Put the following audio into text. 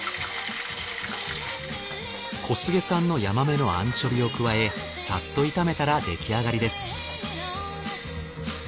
小菅産のヤマメのアンチョビを加えサッと炒めたらできあがりです。